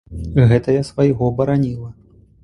Гэта я свайго бараніла.